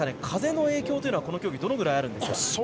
風の影響というのはこの競技、どのぐらいありますか。